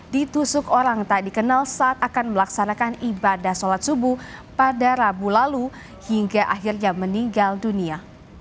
ditusuk orang tak dikenal saat akan melaksanakan ibadah sholat subuh pada rabu lalu hingga akhirnya meninggal dunia